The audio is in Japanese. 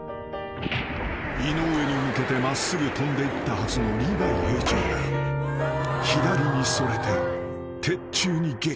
［井上に向けて真っすぐ飛んでいったはずのリヴァイ兵長が左にそれて］